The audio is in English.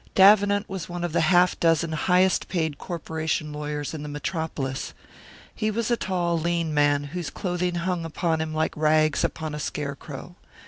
Davenant was one of the half dozen highest paid corporation lawyers in the Metropolis. He was a tall, lean man, whose clothing hung upon him like rags upon a scare crow.